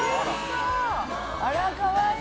あらかわいい！